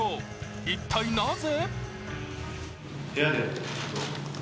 一体、なぜ？